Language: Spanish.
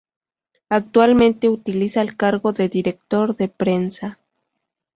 Actualmente utiliza el cargo de Director de Prensa.